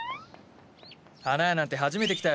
花屋なんて初めて来たよ。